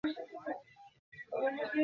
এ-ছাড়া, কুটিরটিকে ঘিরে আরও কিছু জমি ছিল।